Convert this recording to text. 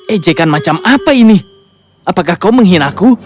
ejekan macam apa ini apakah kau menghina aku